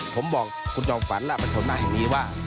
ผมบอกคุณจอมฝันและประชนมาแห่งนี้ว่า